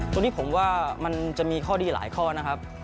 ตรงนี้ผมว่ามันจะมีข้อดีหลายข้อนะครับ